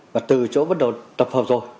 và từ chỗ bắt đầu tập hợp rồi